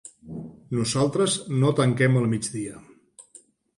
Nosaltres no tanquem al migdia.